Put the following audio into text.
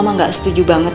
ya ya sudah